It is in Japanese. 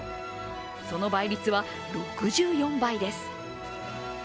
その倍率は６４倍です。